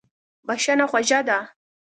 بښنه خوږه ده.